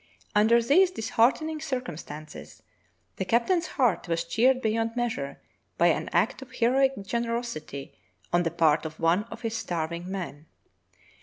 Under these disheart ening circumstances, the captain's heart was cheered beyond measure by an act of heroic generosity on the part of one of his starving men.